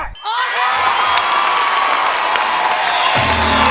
ร้องได้ให้ล้าน